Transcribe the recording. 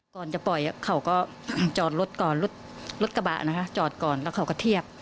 ก่อนจะปล่อยเขาก็จอดรถก่อนรถกระบะนะคะจอดก่อนแล้วเขาก็เทียบ